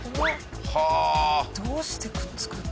どうしてくっつくの？